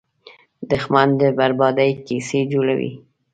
دښمن د بربادۍ کیسې جوړوي